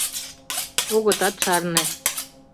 Огытат шарне.